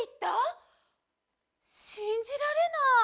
しんじられない！